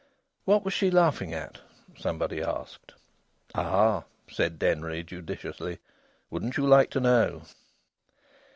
"What was she laughing at?" somebody asked. "Ah!" said Denry, judiciously, "wouldn't you like to know?"